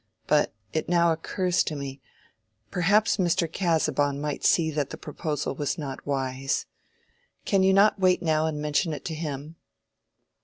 But it now occurs to me—perhaps Mr. Casaubon might see that the proposal was not wise. Can you not wait now and mention it to him?"